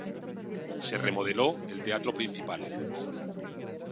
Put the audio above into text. Se remodeló el Teatro Principal.